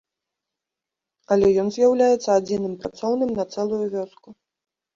Але ён з'яўляецца адзіным працоўным на цэлую вёску.